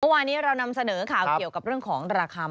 เมื่อวานี้เรานำเสนอข่าวเกี่ยวกับเรื่องของราคามะม่วง